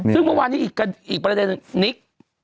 ซึ่งเมื่อวานนี้อีกประเด็นนิก